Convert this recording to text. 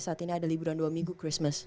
saat ini ada liburan dua minggu christmas